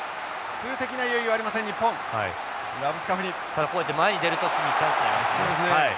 ただこうやって前に出ると次チャンスになります。